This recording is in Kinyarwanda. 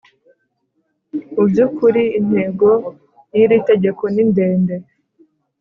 Mu by ‘ukuri intego y ‘iri tegeko nindende.